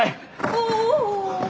おお。